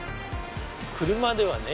車ではね